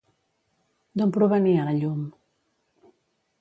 D'on provenia la llum?